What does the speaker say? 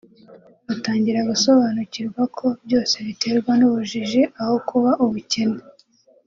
batangira gusobanukirwa ko byose biterwa n’ubujiji aho kuba ubukene